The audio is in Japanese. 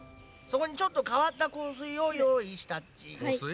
そこにちょっとかわった香水をよういしたっち。